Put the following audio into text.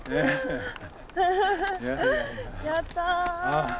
やった！